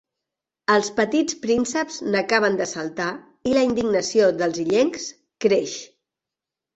Els petits prínceps n'acaben de saltar i la indignació dels illencs creix.